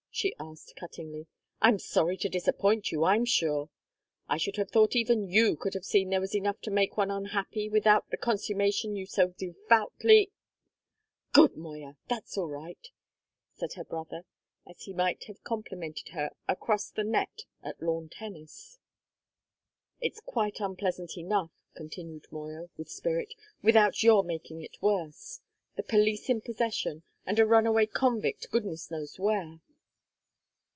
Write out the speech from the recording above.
she asked cuttingly. "I'm sorry to disappoint you, I'm sure! I should have thought even you could have seen there was enough to make one unhappy, without the consummation you so devoutly " "Good, Moya! That's all right," said her brother, as he might have complimented her across the net at lawn tennis. "It's quite unpleasant enough," continued Moya, with spirit, "without your making it worse. The police in possession, and a runaway convict goodness knows where!"